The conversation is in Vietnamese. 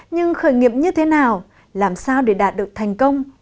nhưng khởi nghiệp như thế nào làm sao để đạt được thành công